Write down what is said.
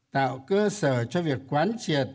tạo cơ sở cho việc quán triệt